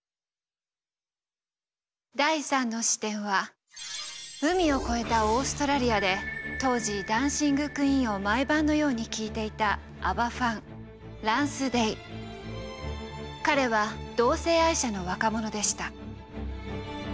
第３の視点は海を越えたオーストラリアで当時「ダンシング・クイーン」を毎晩のように聴いていた彼は同性愛者の若者でした。